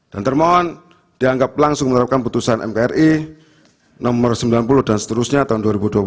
dan termohon dianggap langsung menerapkan putusan mkri no sembilan puluh dan seterusnya tahun dua ribu dua puluh tiga